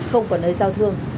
không có nơi giao thương